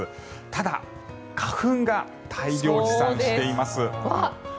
ただ、花粉が大量飛散しています。